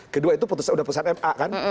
kedua itu putusan m a kan